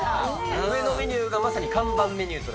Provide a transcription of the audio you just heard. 上のメニューがまさに看板メ